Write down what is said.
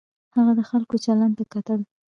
هغه د خلکو چلند ته کتل.